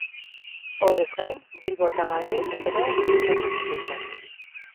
Horrez gain, Bilbo eta Madril ere bisitatu zituen.